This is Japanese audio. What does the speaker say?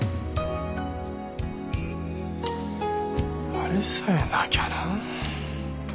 あれさえなきゃな。